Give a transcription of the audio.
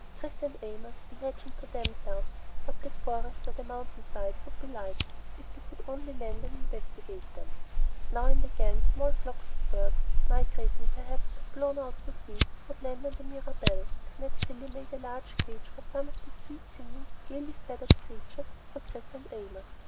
Chris and Amos imagined to themselves what the forest or the mountainsides would be like if they could only land and investigate them. Now and again small flocks of birds, migrating perhaps or blown out to sea, would land on the Mirabelle, and Ned Cilley made a large cage for some of the sweet singing gaily feathered creatures for Chris and Amos.